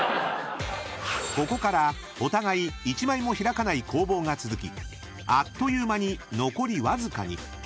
［ここからお互い１枚も開かない攻防が続きあっという間に残りわずかに］